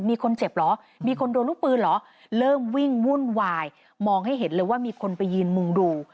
มีคนเจ็บเหรอมีคนโดนลูกปืนเหรอเริ่มวิ่งวุ่นวายมองให้เห็นเลยว่ามีคนไปยืนมุงดู